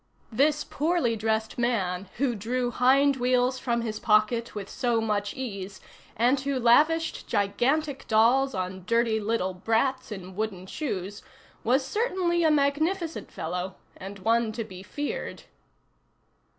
This poorly dressed man, who drew "hind wheels" from his pocket with so much ease, and who lavished gigantic dolls on dirty little brats in wooden shoes, was certainly a magnificent fellow, and one to be feared.